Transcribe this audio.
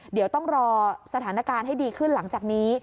เดี๋ยวต้องรอสถานการณ์ให้ดีขึ้นหลังจากนี้